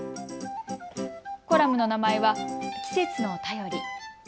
コラムの名前は季節のたより。